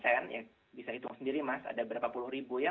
saya bisa hitung sendiri mas ada berapa puluh ribu ya